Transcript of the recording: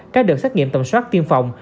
các đợt xét nghiệm tầm soát tiêm phòng